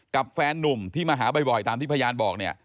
แฟนนุ่มที่มาหาบ่อยตามที่พยานบอกเนี่ย